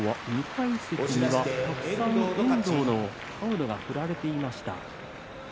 ２階席には、たくさん遠藤のタオルが振られていました。